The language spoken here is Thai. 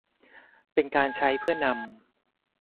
เป็นการใช้เพื่อนำ